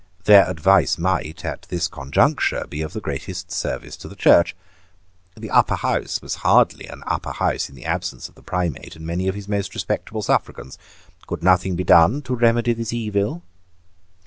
Their advice might, at this conjuncture, be of the greatest service to the Church. The Upper House was hardly an Upper House in the absence of the Primate and of many of his most respectable suffragans. Could nothing be done to remedy this evil?